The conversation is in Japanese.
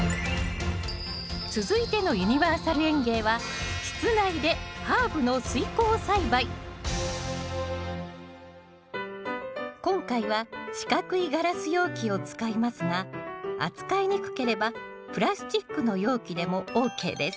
続いてのユニバーサル園芸は今回は四角いガラス容器を使いますが扱いにくければプラスチックの容器でもＯＫです。